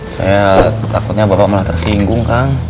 saya takutnya bapak malah tersinggung kang